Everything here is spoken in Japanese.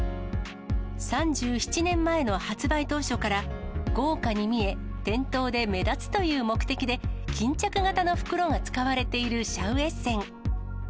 ３７年前の発売当初から、豪華に見え、店頭で目立つという目的で、巾着型の袋が使われているシャウエッセン。